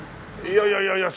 いやいやいやいや